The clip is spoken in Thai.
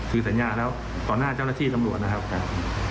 คือสัญญาแล้วต่อหน้าเจ้าหน้าที่ตำรวจนะครับ